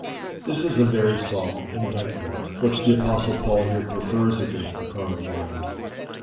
This is a very solemn indictment which the Apostle Paul here prefers against the carnal mind.